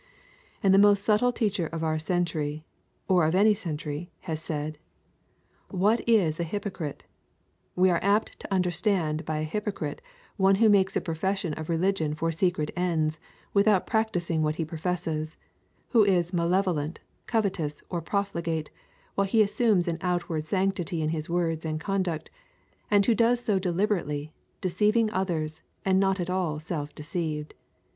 And the most subtle teacher of our century, or of any century, has said: 'What is a hypocrite? We are apt to understand by a hypocrite one who makes a profession of religion for secret ends without practising what he professes; who is malevolent, covetous, or profligate, while he assumes an outward sanctity in his words and conduct, and who does so deliberately, deceiving others, and not at all self deceived.